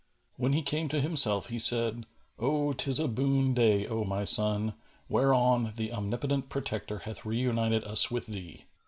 When he came to himself he said, "Oh, 'tis a boon day O my son, whereon the Omnipotent Protector hath reunited us with thee!"